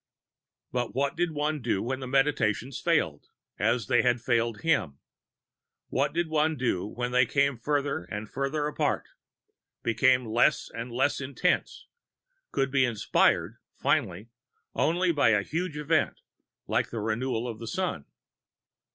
But what did one do when the meditations failed, as they had failed him? What did one do when they came farther and farther apart, became less and less intense, could be inspired, finally, only by a huge event like the renewal of the Sun?